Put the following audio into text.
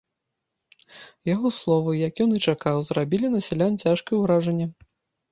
Яго словы, як ён і чакаў, зрабілі на сялян цяжкае ўражанне.